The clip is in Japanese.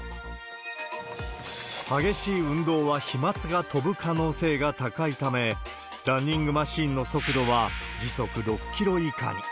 激しい運動は飛まつが飛ぶ可能性が高いため、ランニングマシンの速度は時速６キロ以下に。